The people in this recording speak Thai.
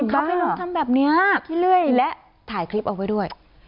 บ้าคำคำให้รุ่นทำแบบนี้ขี้เรื่อยและถ่ายคลิปเอาไว้ด้วย